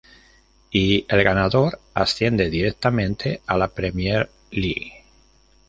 Y el ganador asciende directamente a la Premier League.